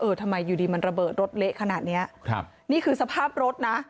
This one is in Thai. ทำไมอยู่ดีมันระเบิดรถเละขนาดเนี้ยครับนี่คือสภาพรถนะ